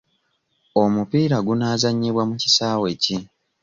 Omupiira gunaazanyibwa mu kisaawe ki?